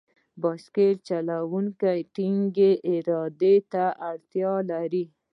بایسکل چلول ټینګې ارادې ته اړتیا لري.